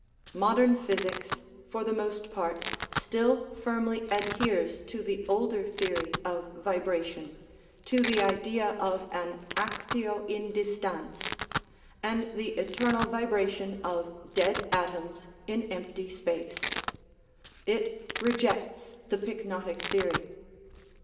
Modern physics, for the most part, still firmly ad heres to the older theory of vibration, to the idea of an actio in distans and the eternal vibration of dead atoms in empty space; it rejects the pyknotic theory.